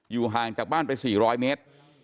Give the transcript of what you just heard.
ห่างจากบ้านไป๔๐๐เมตร